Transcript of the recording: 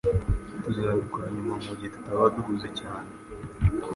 Tuzabikora nyuma mugihe tutaba duhuze cyane.